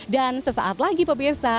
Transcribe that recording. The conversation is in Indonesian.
dan sesaat lagi pemirsa